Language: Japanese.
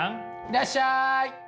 いらっしゃい！